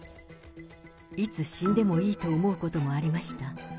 いつ死んでもいいと思うこともありました。